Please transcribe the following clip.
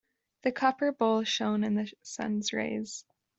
The copper bowl shone in the sun's rays.